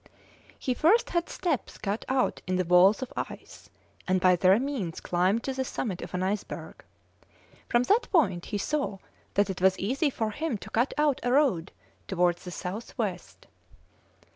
He first had steps cut out in the walls of ice, and by their means climbed to the summit of an iceberg. From that point he saw that it was easy for him to cut out a road towards the south west.